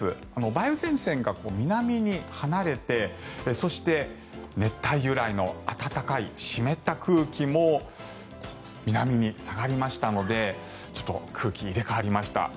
梅雨前線が南に離れてそして、熱帯由来の暖かい湿った空気も南に下がりましたので空気、入れ替わりました。